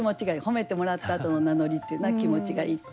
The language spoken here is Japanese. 褒めてもらったあとの名乗りというのは気持ちがいい。